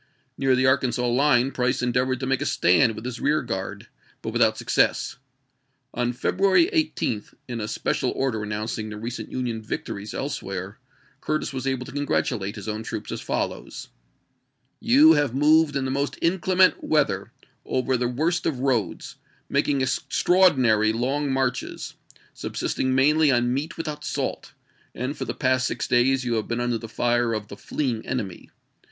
Near the Arkansas line Price endeav ored to make a stand with his rear guard, but without success. On February 18, in a special order announcing the recent Union victories else where, Curtis was able to congratulate his own troops as follows :" You have moved in the most inclement weather, over the worst of roads, making extraordinary long marches, subsisting mainly on meat without salt, and for the past six days you have been under the fire of the fleeing %m??87' enemy.